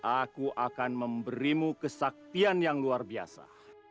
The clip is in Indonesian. aku akan memberimu kesaktian yang luar biasa